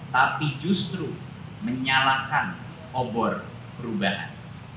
tapi justru menyalahkan obor perubahan